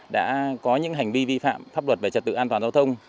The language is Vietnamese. đã có những hành vi vi phạm pháp luật về trật tự an toàn giao thông